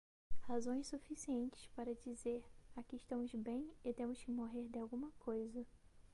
Razões suficientes para dizer: aqui estamos bem e temos que morrer de alguma coisa.